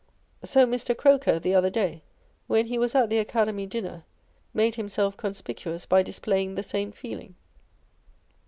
So Mr. Croker,1 the other day, when he was at the Academy dinner, made himself conspicuous by displaying the same feeling.